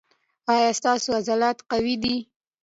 ایا ستاسو عضلات قوي دي؟